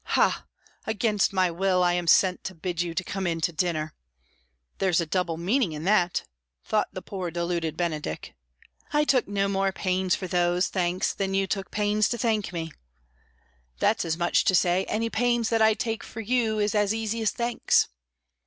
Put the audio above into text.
"Ha! 'Against my will I am sent to bid you come in to dinner.' There's a double meaning in that," thought the poor deluded Benedick. "'I took no more pains for those thanks than you took pains to thank me.' That's as much as to say, 'Any pains that I take for you is as easy as thanks.